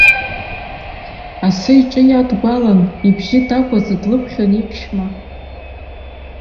Асы иҿы иадгәаланы, ибжьы дагәаӡа длыԥхьон иԥшәма.